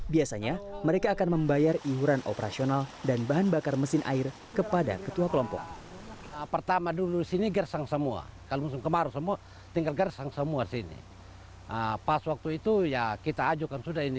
biasanya mereka akan membayar iuran operasional dan bahan bakar mesin air kepada ketua kelompok